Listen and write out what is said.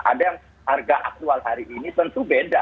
ada yang harga aktual hari ini tentu beda